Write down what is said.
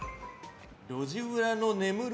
路地裏の眠る